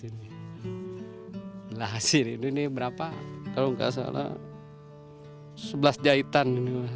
nah ini berapa kalau nggak salah sebelas jahitan